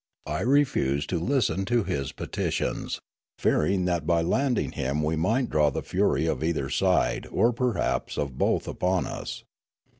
I refused to listen to his petitions, fearing that by landing him we might draw the fury of either side or perhaps of both upon us.